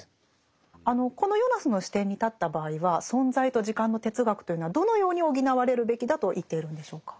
このヨナスの視点に立った場合は「存在と時間」の哲学というのはどのように補われるべきだと言っているんでしょうか？